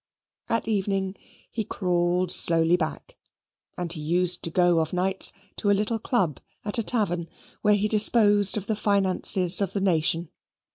At evening he crawled slowly back; and he used to go of nights to a little club at a tavern, where he disposed of the finances of the nation.